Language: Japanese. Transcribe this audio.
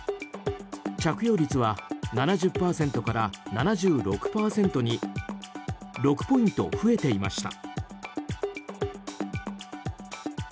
着用率は７０％から７６％に６ポイント増えていました。